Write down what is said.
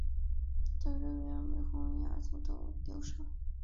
斗六原为洪雅族斗六社。